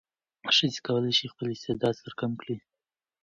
ښځې کولای شي خپل استعداد څرګند کړي.